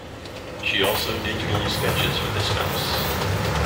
She also digitally sketches with this mouse.